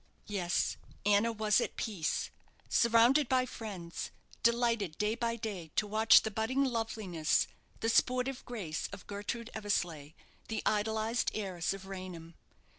Yes, Anna was at peace; surrounded by friends; delighted day by day to watch the budding loveliness, the sportive grace of Gertrude Eversleigh, the idolized heiress of Raynham.